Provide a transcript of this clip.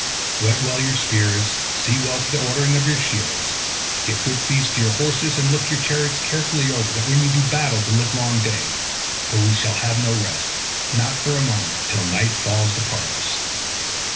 Whet well your spears; see well to the ordering of your shields; give good feeds to your horses, and look your chariots carefully over, that we may do battle the livelong day; for we shall have no rest, not for a moment, till night falls to part us.